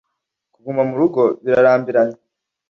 kuguma murugo birarambiranye